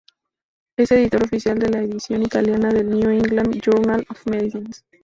Es editor oficial de la edición italiana del New England Journal of Medicine.